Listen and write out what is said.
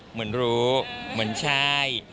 เหมือนรู้เหมือนใช่